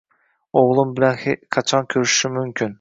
O`g`lim bilan qachon ko`rishishim mumkin